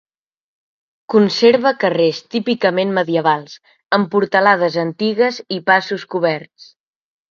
Conserva carrers típicament medievals, amb portalades antigues i passos coberts.